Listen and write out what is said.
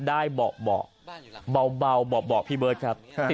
เบาะเบาเบาะพี่เบิร์ตครับ